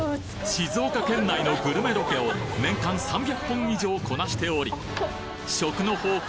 静岡県内のグルメロケを年間３００本以上こなしており食の宝庫